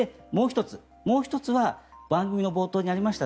もう１つは番組の冒頭にありました